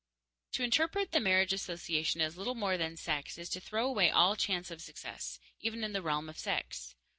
_ To interpret the marriage association as little more than sex is to throw away all chance of success, even in the realm of sex.